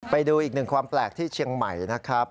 ไปดูอีกหนึ่งความแปลกที่เชียงใหม่นะครับ